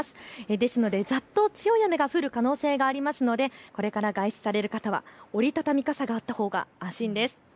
ですのでざっと強い雨が降る可能性がありますのでこれから外出される方は折り畳み傘、あったほうが安心です。